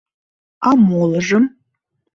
А молыжым...